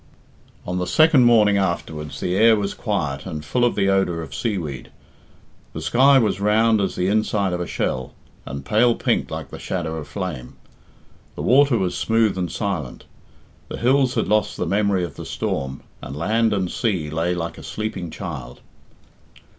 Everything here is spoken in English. XI. On the second morning afterwards the air was quiet and full of the odour of seaweed; the sky was round as the inside of a shell, and pale pink like the shadow of flame; the water was smooth and silent; the hills had lost the memory of the storm, and land and sea lay like a sleeping child.